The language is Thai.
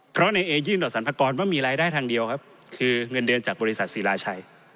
เพราะในเอมีการยื่นรายได้ส่วนสรรพากรไม่มีรายได้ทางเดียวคือเงินเดือนจากบริษัทศิราชัย